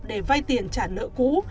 để vai tiền trả nợ cũ